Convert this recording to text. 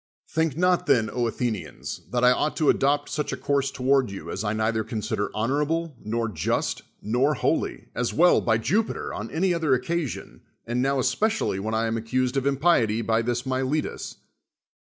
Think not then, Athenians, that I ought to adopt such a course toward you as I neither con sider honorable, nor just, nor holy, as well, by Jupiter, on any other occasion, and now espe cially when I am accused of impiety by this Miletus.